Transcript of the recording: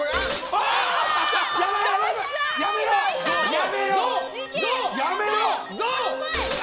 やめろ。